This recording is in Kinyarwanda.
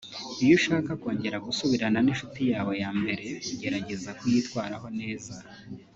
Iyo ushaka kongera gusubirana n’inshuti yawe yambere ugerageza kuyitwaraho neza